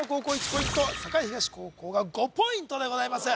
１ポイント栄東高校が５ポイントでございます